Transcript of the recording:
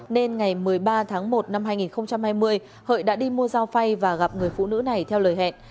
nên ngày một mươi ba tháng một năm hai nghìn hai mươi hợi đã đi mua giao phay và gặp người phụ nữ này theo lời hẹn